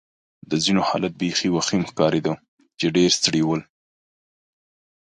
د ځینو حالت بېخي وخیم ښکارېده چې ډېر ستړي ول.